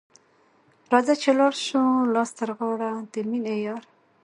راځه چي ولاړ سو لاس تر غاړه ، د میني یاره